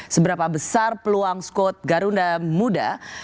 seberapa besar peluang skot garunda muda